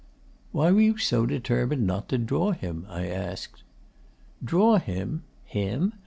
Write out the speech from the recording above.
'Why were you so determined not to draw him?' I asked. 'Draw him? Him?